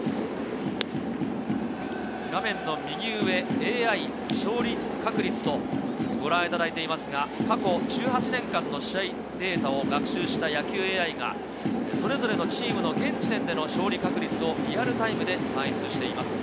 画面の右上、ＡＩ勝利確率をご覧いただいていますが、過去１８年間の試合データを学習した野球ＡＩがそれぞれのチームの現時点での勝利確率をリアルタイムで算出しています。